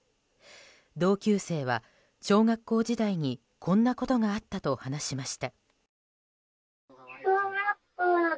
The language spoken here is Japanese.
同級生は小学校時代にこんなことがあったと話しました。